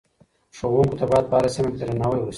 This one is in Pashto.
ښوونکو ته باید په هره سیمه کې درناوی وشي.